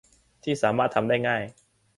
ที่สามารถทำได้ง่าย